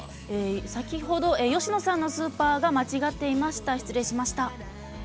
先ほど吉野さんのスーパーが間違っていました。